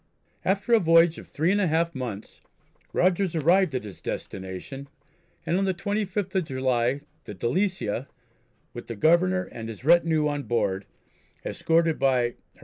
After a voyage of three and a half months Rogers arrived at his destination, and on the 25th of July the Delicia, with the Governor and his retinue on board, escorted by H.M.